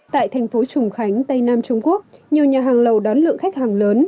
tại thành phố trùng khánh tây nam trung quốc nhiều nhà hàng lầu đón lượng khách hàng lớn